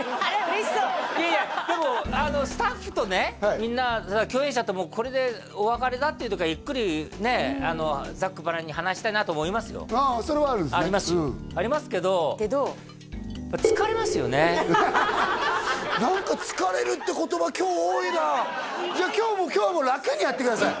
嬉しそういやいやでもスタッフとねみんな共演者ともこれでお別れだっていう時はゆっくりねざっくばらんに話したいなと思いますよああそれはあるんですねありますよありますけど何かじゃあ今日はもう楽にやってください